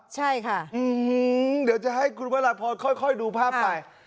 ใช่ค่ะอือหือเดี๋ยวจะให้คุณพระพรค่อยค่อยดูภาพไป